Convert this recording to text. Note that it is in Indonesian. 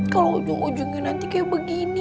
kalo ujung ujungnya nanti kaya begini